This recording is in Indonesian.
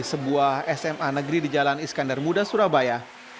sebuah sma negeri di jalan iskandar muda surabaya